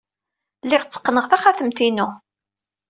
Lliɣ tteqqneɣ taxatemt-inu.